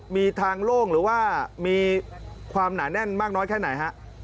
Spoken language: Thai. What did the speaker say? มีทางโล่งหรือว่ามีความหนาแน่นมากน้อยแค่ไหนฮะ